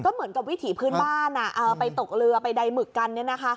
เหมือนกับวิถีพื้นบ้านไปตกเรือไปใดหมึกกัน